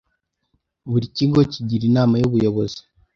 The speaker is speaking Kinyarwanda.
buri kigo kigira inama y ubuyobozi